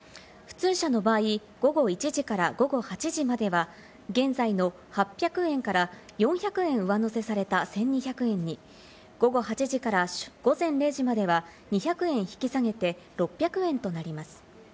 料金が変わるのは土日と祝日の木更津から川崎に向かうのぼり線で普通車の場合、午後１時から午後８時までは現在の８００円から４００円上乗せされた１２００円に、午後８時から午前０時までは２００円引き下げて６００円となります。